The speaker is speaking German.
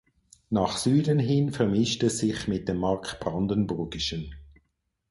Nach Süden hin vermischt es sich mit dem Mark-Brandenburgischen.